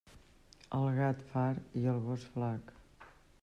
El gat, fart; i el gos, flac.